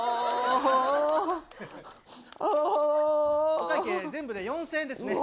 お会計全部で４０００円ですね。